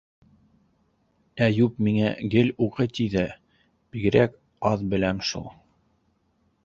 Әйүп миңә гел уҡы ти ҙә, бигерәк аҙ беләм шул.